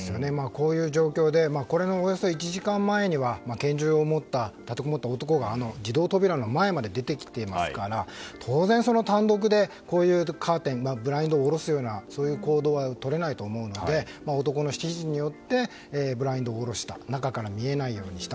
こういう状況でこのおよそ１時間前には拳銃を持って立てこもった男が自動扉の前まで出てきてますから当然それは単独でこういうブラインドを下ろすような行動は取れないと思うので男の指示によってブラインドを下ろした中から見えないようにした。